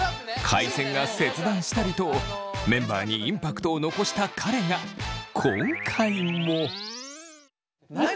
回線が切断したりとメンバーにインパクトを残した彼が今回も。何！？